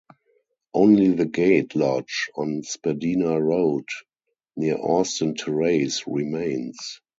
Only the gate lodge on Spadina Road near Austin Terrace remains.